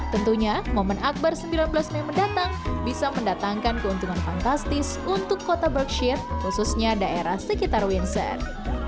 tentunya momen akbar sembilan belas mei mendatang bisa mendatangkan keuntungan fantastis untuk kota berkshir khususnya daerah sekitar windsor